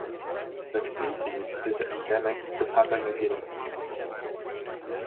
The species is endemic to Papua New Guinea.